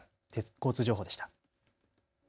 交通情報でした。